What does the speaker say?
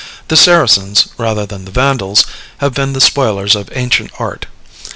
The Saracens, rather than the Vandals, have been the spoilers of ancient art.